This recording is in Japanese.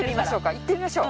行ってみましょう。